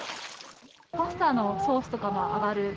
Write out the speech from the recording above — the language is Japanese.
パスタのソースとかも上がる。